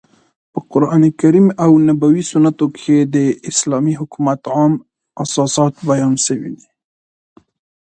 په قرانکریم او نبوي سنتو کښي د اسلامي حکومت عام اساسات بیان سوي دي.